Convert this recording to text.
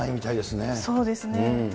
そうですね。